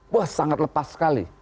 wah sangat lepas sekali